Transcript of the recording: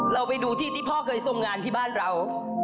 เราไปดูที่ที่พ่อเคยทรงงานที่บ้านเรา